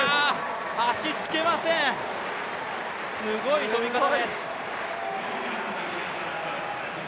足、つけません、すごい跳び方です。